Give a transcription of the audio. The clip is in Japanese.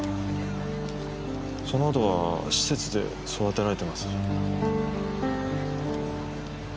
その後は施設で育てられてます。